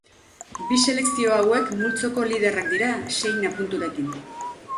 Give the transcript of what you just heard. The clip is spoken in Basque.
Bi selekzio hauek multzoko liderrak dira seina punturekin.